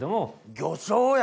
魚醤や！